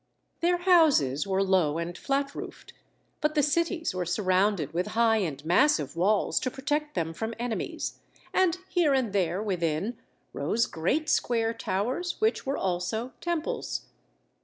Their houses were low and flat roofed, but the cities were surrounded with high and massive walls to protect them from enemies, and here and there within rose great square towers which were also temples.